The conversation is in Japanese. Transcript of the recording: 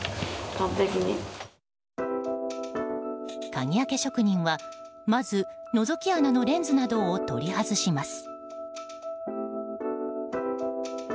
鍵開け職人は、まずのぞき穴のレンズなどを取り外します。